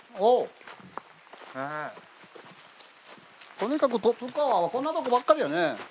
とにかく十津川はこんなところばっかりやね。